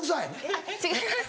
あっ違います。